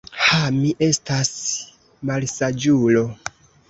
Ha, mi estas malsaĝulo.